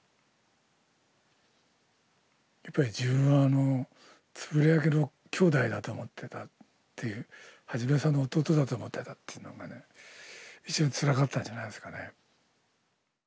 やっぱり自分はあの円谷家の兄弟だと思ってたっていう一さんの弟だと思ってたっていうのがね一番つらかったんじゃないですかね。